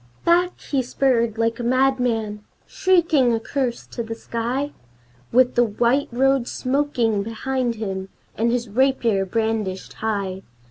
Back, he spurred like a madman, shrieking a curse to the sky, With the white road smoking behind him and his rapier brandished high!